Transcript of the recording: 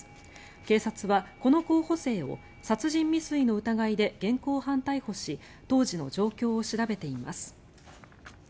警察はこの候補生を殺人未遂の疑いで現行犯逮捕し当時の状況を調べています。